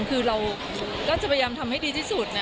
คือเราก็จะพยายามทำให้ดีที่สุด